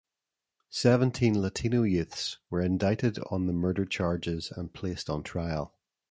Seventeen Latino youths were indicted on the murder charges and placed on trial.